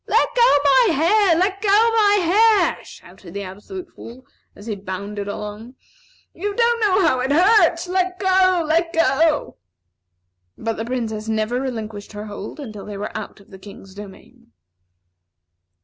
"Let go my hair! Let go my hair!" shouted the Absolute Fool, as he bounded along. "You don't know how it hurts. Let go! Let go!" But the Princess never relinquished her hold until they were out of the King's domain.